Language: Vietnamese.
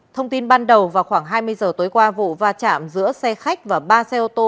thông tin ban đầu vào khoảng hai mươi giờ tối qua vụ va chạm giữa xe khách và ba xe ô tô